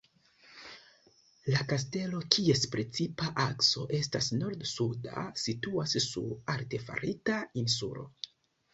La kastelo, kies precipa akso estas nord-suda, situas sur artefarita insulo.